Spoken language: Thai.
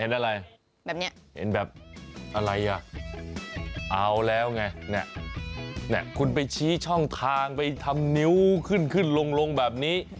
อะไรแบบนี้เห็นแบบอะไรอ่ะเอาแล้วไงเนี่ยคุณไปชี้ช่องทางไปทำนิ้วขึ้นขึ้นลงแบบนี้